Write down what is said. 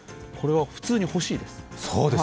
これは普通に欲しいです。